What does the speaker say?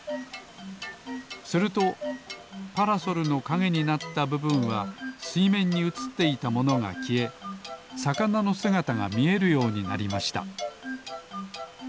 するとパラソルのかげになったぶぶんはすいめんにうつっていたものがきえさかなのすがたがみえるようになりました